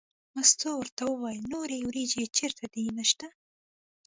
مستو ورته وویل نورې وریجې چېرته دي نشته.